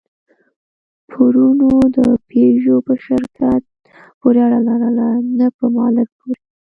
پورونو د پيژو په شرکت پورې اړه لرله، نه په مالک پورې.